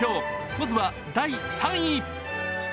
まずは第３位。